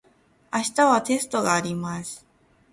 明日はテストがあります。